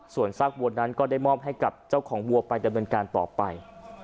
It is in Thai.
ส่วนซากวัวนั้นก็ได้มอบให้กับเจ้าของวัวไปดำเนินการต่อไป